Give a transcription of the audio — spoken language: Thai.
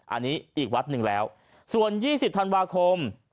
อันนี้อีกวัดหนึ่งแล้วส่วน๒๐ธันวาคม